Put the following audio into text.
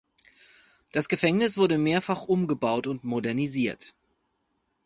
Das Gefängnis wurde mehrfach umgebaut und modernisiert.